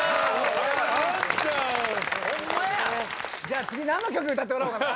じゃあ次何の曲歌ってもらおうかな。